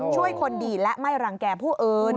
ช่วยคนดีและไม่รังแก่ผู้อื่น